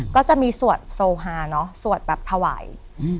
ก็จะมีสวดโซฮาเนอะสวดแบบถวาย